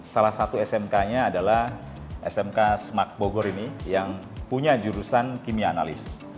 salah satu smk nya adalah smk semak bogor ini yang punya jurusan kimia analis